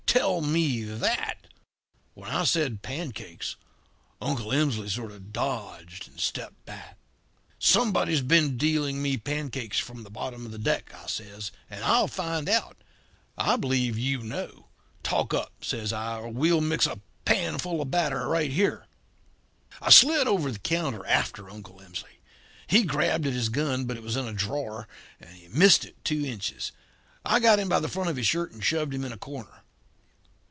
Tell me that.' "When I said 'pancakes' Uncle Emsley sort of dodged and stepped back. "'Somebody's been dealing me pancakes from the bottom of the deck,' I says, 'and I'll find out. I believe you know. Talk up,' says I, 'or we'll mix a panful of batter right here.' "I slid over the counter after Uncle Emsley. He grabbed at his gun, but it was in a drawer, and he missed it two inches. I got him by the front of his shirt and shoved him in a corner.